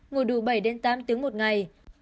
ngủ đủ bảy tám tiếng một ngày